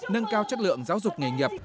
nâng cao chất lượng giáo dục nghề nghiệp